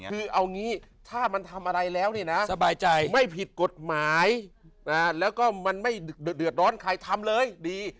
คือเอางี้ถ้ามันทำอะไรแล้วเนี่ยนะสบายใจไม่ผิดกฎหมายแล้วก็มันไม่เดือดร้อนใครทำเลยดี